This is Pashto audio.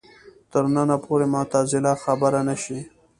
تر ننه پورې معتزله خبره نه شي